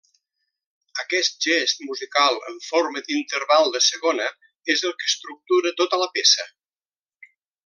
Aquest gest musical en forma d'interval de segona és el que estructura tota la peça.